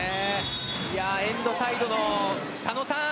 エンドサイドの佐野さん